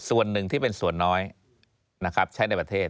ส่วนหนึ่งที่เป็นส่วนน้อยนะครับใช้ในประเทศ